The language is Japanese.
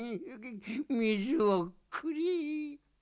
みずをくれ。